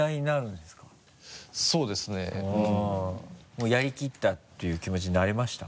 もうやりきったっていう気持ちになれました？